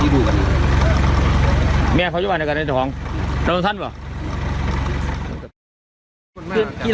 ผมออกมาหาเขาเพราะเอาขบวันหาเขาไม่ควรจะเชื่อว่าปีน